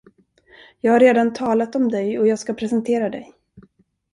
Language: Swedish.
Jag har redan talat om dig, och jag skall presentera dig.